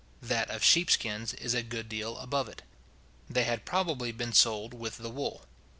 That of sheep skins is a good deal above it. They had probably been sold with the wool.